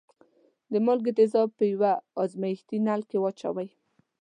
د مالګې تیزاب په یوه ازمیښتي نل کې واچوئ.